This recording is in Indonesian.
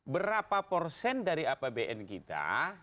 berapa persen dari apbn kita